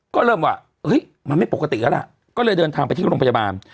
ก็เริ่มว่ามันไม่ปกติแล้วล่ะก็เลยเดินทางไปที่โรงพยาบาล